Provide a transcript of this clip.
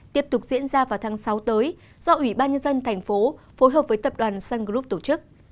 tiếp tục diễn ra vào tháng sáu tới do ủy ban nhân dân thành phố phối hợp với tập đoàn sun group tổ chức